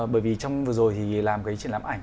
bởi vì trong vừa rồi thì làm cái triển lãm ảnh